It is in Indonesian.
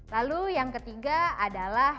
lalu yang ketiga adalah